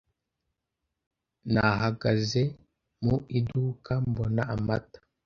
Nahagaze mu iduka mbona amata